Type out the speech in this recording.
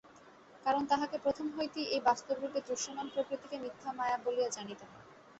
কারণ তাঁহাকে প্রথম হইতেই এই বাস্তবরূপে দৃশ্যমান প্রকৃতিকে মিথ্যা মায়া বলিয়া জানিতে হয়।